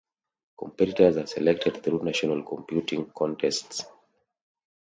Competitors are selected through national computing contests.